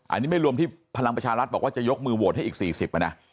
อันนี้ไม่รวมที่พลังประชารัฐบอกว่าจะยกมือโหวตให้อีก๔๐นะ